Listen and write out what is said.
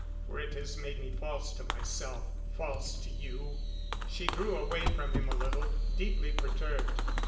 for it has made me false to myself ... false to you...." She drew away from him a little, deeply perturbed.